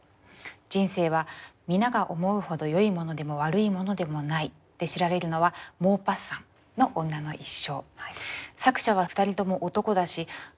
“人生は皆が思うほど良いものでも悪いものでもない”で知られるのはモーパッサンの『女の一生』」。